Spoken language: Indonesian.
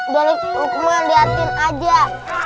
balik lukman lihatin aja